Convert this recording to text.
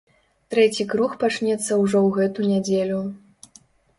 Трэці круг пачнецца ўжо ў гэту нядзелю.